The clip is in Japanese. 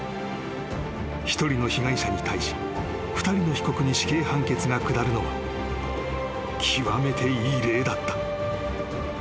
［１人の被害者に対し２人の被告に死刑判決が下るのは極めて異例だった］